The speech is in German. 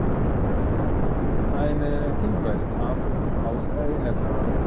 Eine Hinweistafel am Haus erinnert daran.